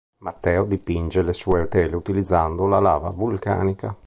Matteo, dipinge le sue tele utilizzando la lava vulcanica.